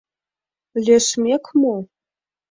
«Лӧжмӧк» мо?